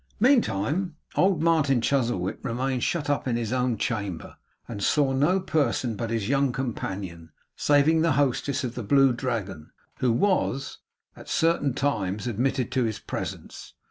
Meantime, old Martin Chuzzlewit remained shut up in his own chamber, and saw no person but his young companion, saving the hostess of the Blue Dragon, who was, at certain times, admitted to his presence.